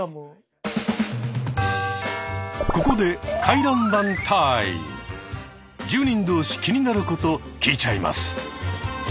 ここで住人同士気になること聞いちゃいます。